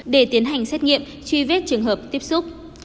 để tiến hành xét nghiệm truy vết trường hợp tiếp xúc